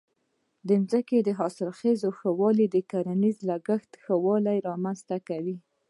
د ځمکې د حاصلخېزۍ ښه والی د کرنیزې کښت ښه والی رامنځته کوي.